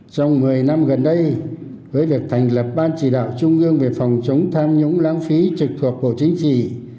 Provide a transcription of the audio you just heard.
trong một mươi năm gần đây với việc thành lập ban chỉ đạo trung ương về phòng chống tham nhũng lãng phí trực thuộc bộ chính trị